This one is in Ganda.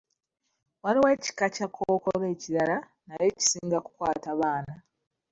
Waliwo ekika kya kkookolo ekirala naye kisinga kukwata baana.